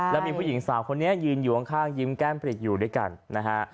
แล้วมีผู้หญิงสาวคนนี้ยืนอยู่ข้างยิ้มแก้มปริกอยู่ด้วยกันนะฮะ